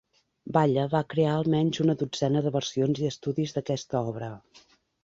Balla va crear almenys una dotzena de versions i estudis d'aquesta obra.